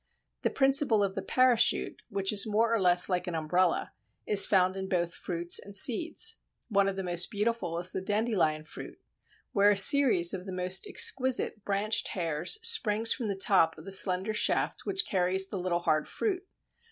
The principle of the "parachute," which is more or less like an umbrella, is found in both fruits and seeds. One of the most beautiful is the Dandelion fruit, where a series of the most exquisite branched hairs springs from the top of the slender shaft which carries the little hard fruit.